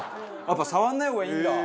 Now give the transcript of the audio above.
やっぱ触らない方がいいんだ。